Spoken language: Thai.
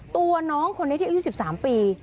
ตัวน้องคนนี้ที่อายุ๑๓ปี